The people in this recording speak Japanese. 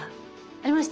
ありました？